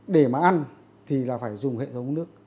để mà ăn thì là phải dùng hệ thống nước